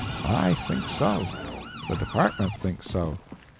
I think so. The department think so.